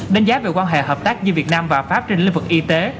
đánh giá về quan hệ hợp tác giữa việt nam và pháp trên lĩnh vực y tế